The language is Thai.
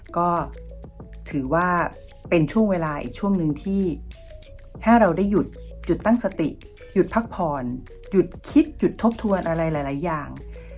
ก็ถือว่าเป็นช่วงเวลาอีกช่วงหนึ่งที่ถ้าเราได้หยุดหยุดตั้งสติหยุดพักผ่อนหยุดคิดหยุดทบทวนอะไรหลายอย่าง